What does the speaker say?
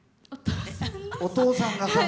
お父さん。